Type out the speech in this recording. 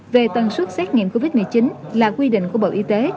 về tần suất xét nghiệm covid một mươi chín là quy định của bộ y tế